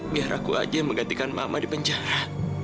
biar aku aja yang menggantikan mama di penjara